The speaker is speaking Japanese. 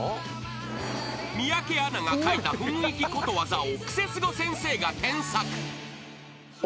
［三宅アナが書いた雰囲気ことわざをクセスゴ先生が添削］